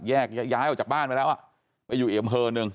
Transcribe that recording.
แยกย้ายออกจากบ้านไปแล้วอ่ะไปอยู่อีกอำเภอหนึ่ง